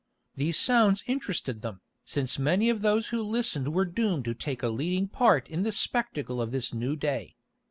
These sounds interested them, since many of those who listened were doomed to take a leading part in the spectacle of this new day.